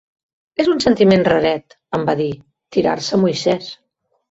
"És un sentiment raret", em va dir, "tirar-se a Moisès".